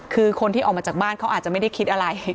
คือคนที่ออกมาจากบ้านเขาอาจจะไม่ได้คิดอะไร